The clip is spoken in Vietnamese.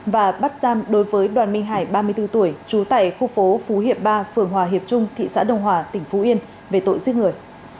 và bắt giam đối với đoàn minh hải ba mươi bốn tuổi trú tại khu phố phú hiệp ba phường hòa hiệp trung thị xã đông hòa tỉnh phú yên về tội giết người